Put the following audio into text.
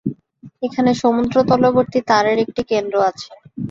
এখানে সমুদ্র-তলবর্তী তারের একটি কেন্দ্র আছে।